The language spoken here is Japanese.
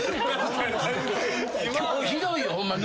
今日ひどいよホンマに。